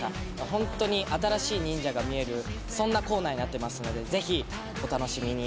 本当に新しい忍者が見えるそんなコーナーになっていますのでぜひ、お楽しみに。